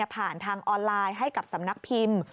ผ่านทางออนไลน์ให้กับสำนักพิมพ์